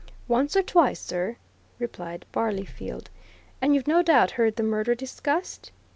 "Once or twice, sir," replied Barleyfield. "And you've no doubt heard the murder discussed?"